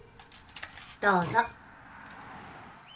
どうぞ。